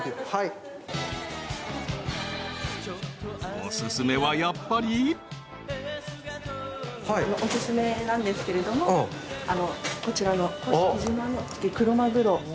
［お薦めはやっぱり］お薦めなんですけれどこちらの甑島のクロマグロ。